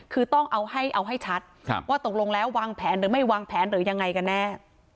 คือต้องเอาให้เอาให้ชัดว่าตกลงแล้ววางแผนหรือไม่วางแผนหรือยังไงกันแน่